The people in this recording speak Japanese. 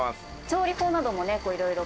調理法などもね色々。